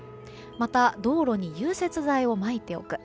また道路に融雪剤をまいておく。